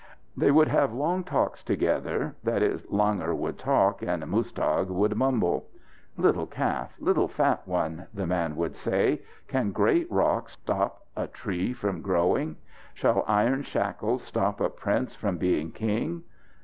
They would have long talks together, that is, Langur would talk and Muztagh would mumble. "Little calf, little fat one," the man would say, "can great rocks stop a tree from growing? Shall iron shackles stop a prince from being king?